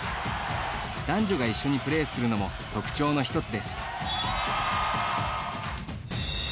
男女が一緒にプレーするのも特徴の１つです。